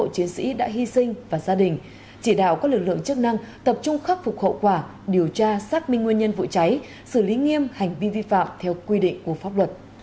để đề nghị tặng tập trung khắc phục khẩu quả điều tra xác minh nguyên nhân vụ cháy xử lý nghiêm hành vi vi phạm theo quy định của pháp luật